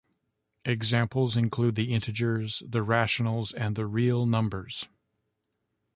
Examples include the integers, the rationals and the real numbers.